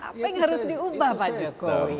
apa yang harus diubah pak jokowi